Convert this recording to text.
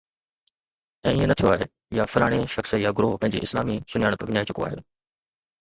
۽ ائين نه ٿيو آهي، يا فلاڻي شخص يا گروهه پنهنجي اسلامي سڃاڻپ وڃائي چڪو آهي